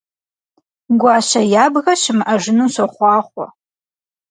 Гуащэ ябгэ щымыӀэжыну сохъуахъуэ!